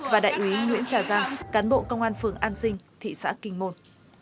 và đại úy nguyễn trà giang cán bộ công an phường an sinh thị xã kinh môn